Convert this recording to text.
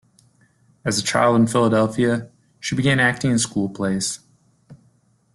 As a child in Philadelphia, she began acting in school plays.